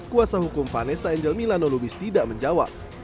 kuasa hukum vanessa angel milano lubis tidak menjawab